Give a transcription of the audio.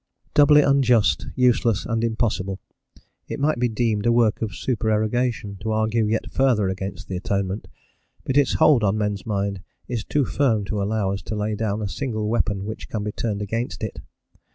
Doubly unjust, useless, and impossible, it might be deemed a work of supererogation to argue yet further against the Atonement; but its hold on men's minds is too firm to allow us to lay down a single weapon which can be turned against it.